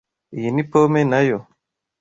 Iyi ni pome, nayo.